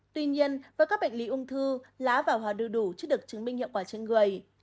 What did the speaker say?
tuy nhiên với các bệnh lý ung thư lá và hòa đu đủ chưa được chứng minh hiệu quả trên người